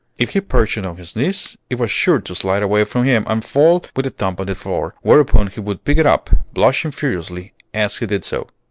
If he perched it on his knees it was sure to slide away from him and fall with a thump on the floor, whereupon he would pick it up, blushing furiously as he did so.